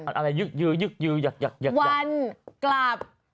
วันกลับ